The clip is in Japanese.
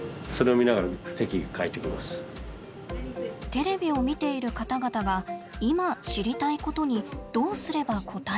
テレビを見ている方々が今知りたいことにどうすれば応えられるのか。